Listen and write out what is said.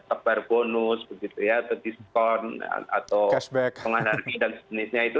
tebar bonus begitu ya atau diskon atau penganarki dan sejenisnya itu